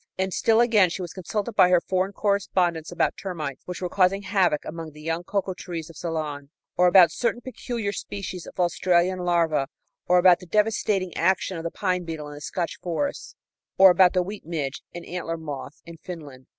And still again, she was consulted by her foreign correspondents about termites, which were causing havoc among the young cocoa trees of Ceylon, or about certain peculiar species of Australian larvæ, or about the devastating action of the pine beetle in the Scotch forests, or about the wheat midge and antler moth in Finland.